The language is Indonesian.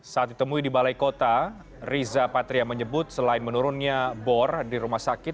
saat ditemui di balai kota riza patria menyebut selain menurunnya bor di rumah sakit